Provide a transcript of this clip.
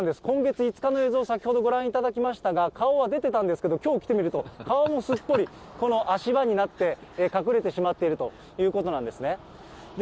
今月５日の映像を先ほど、ご覧いただきましたが、顔は出てたんですけど、きょう来てみると、顔もすっぽり、この足場になって、隠れてしまっているということなんですね。